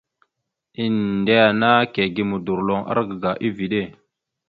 Endena kige modorloŋ argaga eveɗe.